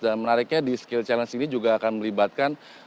dan menariknya di skill challenge ini juga akan melibatkan